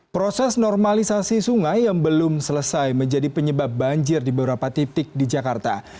proses normalisasi sungai yang belum selesai menjadi penyebab banjir di beberapa titik di jakarta